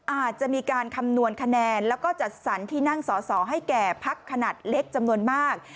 อาจจะมีการคำนวณคะแนนแล้วก็จัดสรรที่นั่งสอสอให้แก่พักขนาดเล็กจำนวนมาก